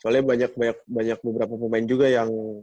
soalnya banyak banyak beberapa pemain juga yang